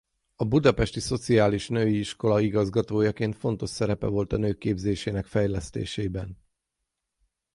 A Budapesti Szociális Női Iskola igazgatójaként fontos szerepe volt a nők képzésének fejlesztésében.